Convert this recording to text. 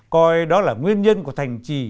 coi đó là nguyên nhân của thành trì